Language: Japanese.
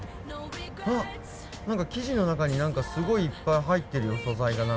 あ、なんか生地の中にすごいいっぱい入ってるよ、素材が。